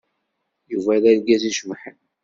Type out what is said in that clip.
Yuba d argaz icebḥen.